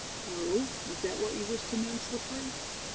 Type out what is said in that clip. "Oh, is that what you wish to know, Slippery?